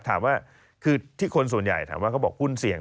ถามว่าคือที่คนส่วนใหญ่ถามว่าเขาบอกหุ้นเสี่ยง